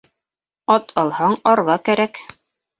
Ат алһаң, арба кәрәк